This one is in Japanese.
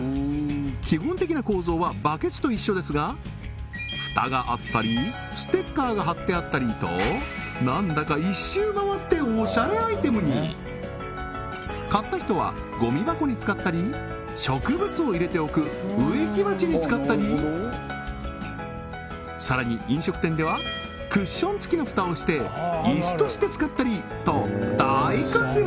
基本的な構造はバケツと一緒ですがフタがあったりステッカーが貼ってあったりとなんだか買った人はゴミ箱に使ったり植物を入れておく植木鉢に使ったりさらに飲食店ではクッション付きのフタをしてイスとして使ったりと大活躍！